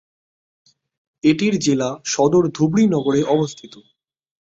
এটির জেলা সদর ধুবড়ী নগরে অবস্থিত।